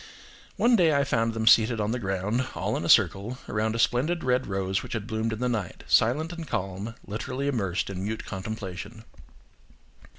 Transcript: One day I found them seated on the ground, all in a circle, around a splendid red rose which had bloomed in the night; silent and calm, literally immersed in mute contemplation.